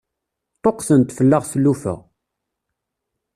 Ṭṭuqqtent fell-aɣ tlufa.